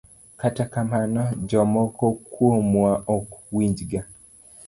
Kata kamano, jomoko kuomwa ok winjga.